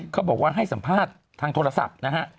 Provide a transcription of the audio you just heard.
เขาบอกว่าให้สัมภาษณ์ทางโทรศัพท์นะฮะ